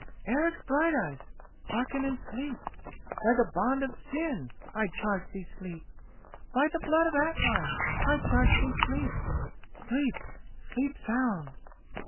"Eric Brighteyes, hearken and sleep! By the bond of sin I charge thee sleep!— By the blood of Atli I charge thee, sleep!— Sleep! sleep sound!"